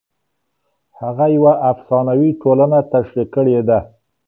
هغه یوه افسانوي ټولنه تشریح کړې ده.